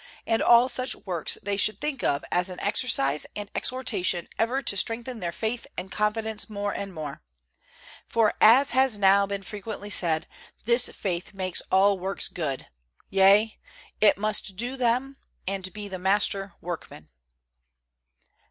And all such works they should think of as an exercise and exhortation ever to strengthen their faith and confidence more and more. For, as has now been frequently said, this faith makes all works good, yea, it must do them and be the master workman.